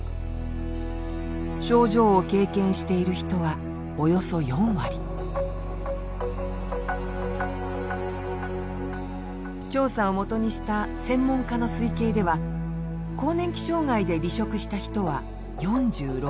症状を経験している人はおよそ４割調査をもとにした専門家の推計では更年期障害で離職した人は４６万人。